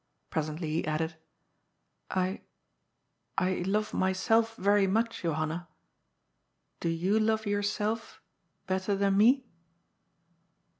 Presently he added : "I — I love myself very much, Johanna. Do you love yourself better than me